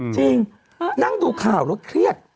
นั่งดูข่าวแล้วเครียด